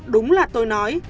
đúng là tôi nói